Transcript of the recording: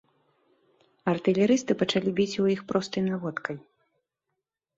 Артылерысты пачалі біць у іх простай наводкай.